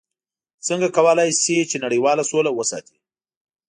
څنګه کولی شي چې نړیواله سوله وساتي؟